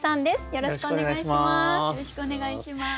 よろしくお願いします。